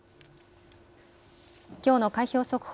きょうの開票速報